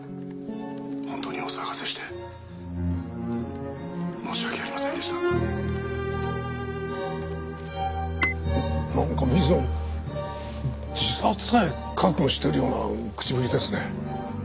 「本当にお騒がせして申し訳ありませんでした」なんか水野は自殺さえ覚悟してるような口ぶりですね。